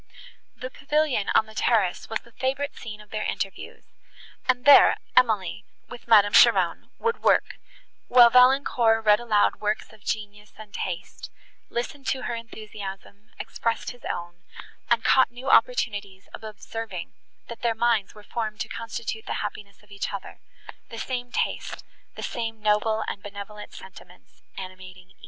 The pavilion on the terrace was the favourite scene of their interviews, and there Emily, with Madame Cheron, would work, while Valancourt read aloud works of genius and taste, listened to her enthusiasm, expressed his own, and caught new opportunities of observing, that their minds were formed to constitute the happiness of each other, the same taste, the same noble and benevolent sentiments animating e